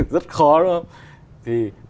rất khó đúng không